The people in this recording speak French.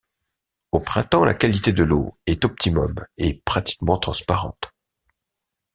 Au printemps, la qualité de l'eau est optimum et pratiquement transparente.